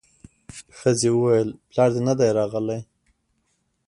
ښځې وويل پلار دې نه دی راغلی.